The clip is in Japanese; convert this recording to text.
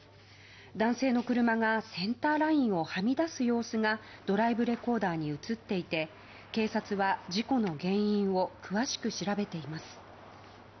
男性の車がセンターラインをはみ出す様子がドライブレコーダーに映っていて警察は、事故の原因を詳しく調べています。